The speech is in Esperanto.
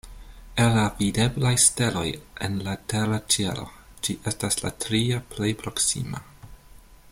El la videblaj steloj en la tera ĉielo, ĝi estas la tria plej proksima.